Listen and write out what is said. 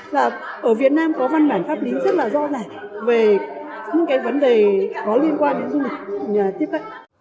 và ở việt nam có văn bản pháp lý rất là rõ ràng về những cái vấn đề có liên quan đến du lịch tiếp cận